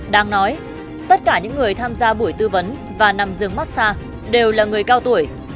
đang nói tất cả những người tham gia buổi tư vấn và nằm giường mắt xa đều là người cao tuổi